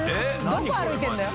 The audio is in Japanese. どこ歩いてるんだよ。）